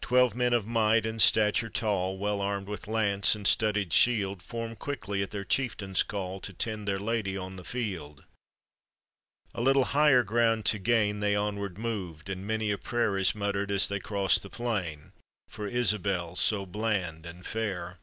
Twelve men of might and stature tall, Well armed with lance and studded shield, Form quickly at their chieftain'i call To tend their Lady on the Held. A little higher ground to. gain They onward mov'd, and mnny a prayer Is muttered as they crow the plain, For Isabel so bland and fair.